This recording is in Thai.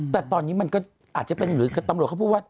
แต่ตอนนี้มันก็อาจจะเป็นหรือตำรวจเขาพูดว่า